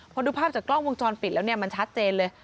เกือบกล้องวงจรปิดแล้วมันชัดเจนเลย